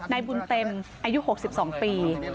นายบุญเต็มอายุ๖๒ปี